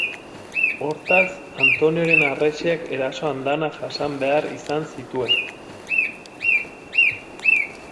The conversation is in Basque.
Hortaz, Antoninoren Harresiak eraso andana jasan behar izan zituen.